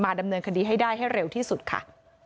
ดำเนินคดีให้ได้ให้เร็วที่สุดค่ะ